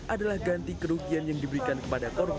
adalah ganti kerugian yang diberikan kepada korban